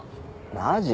マジ？